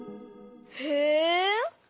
へえ。